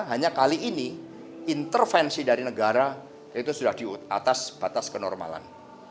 hanya kali ini intervensi dari negara itu sudah di atas batas kenormalan